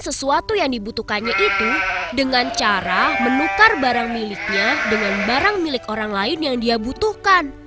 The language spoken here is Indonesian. sesuatu yang dibutuhkannya itu dengan cara menukar barang miliknya dengan barang milik orang lain yang dia butuhkan